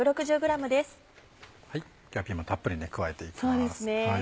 今日はピーマンたっぷり加えていきます。